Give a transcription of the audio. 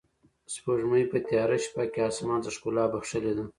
سپوږمۍ په تیاره شپه کې اسمان ته ښکلا بښلې ده.